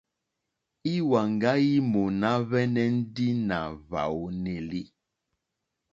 Íwàŋgá í mòná hwɛ́nɛ́ ndí nà hwàónèlì.